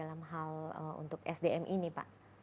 ada peningkatan dalam hal untuk sdm ini pak